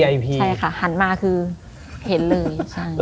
ใช่ค่ะหันมาคือเห็นเลยใช่